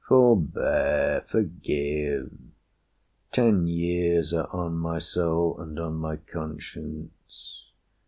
"Forbear, forgive. Ten years are on my soul, And on my conscience.